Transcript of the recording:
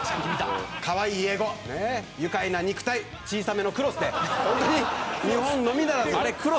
かわいい英語、愉快な肉体小さめの聖衣で日本のみならず。